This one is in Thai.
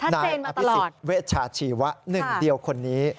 นายอภิษฎเวชาชีวะหนึ่งเดียวคนนี้